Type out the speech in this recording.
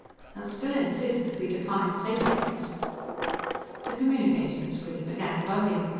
"They'll still insist that we define sapience." The communication screen began buzzing.